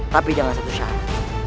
tapi jangan satu syarat